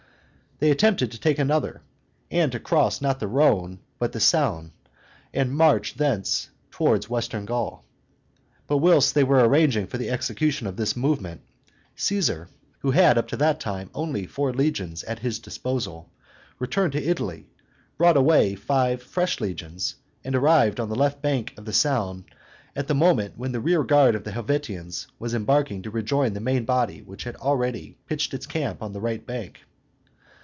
They attempted to take another, and to cross not the Rhone but the Saone, and march thence towards western Gaul. But whilst they were arranging for the execution of this movement, Caesar, who had up to that time only four legions at his disposal, returned to Italy, brought away five fresh legions, and arrived on the left bank of the Saone at the moment when the rear guard of the Helvetians was embarking to rejoin the main body which had already pitched its camp on the right bank.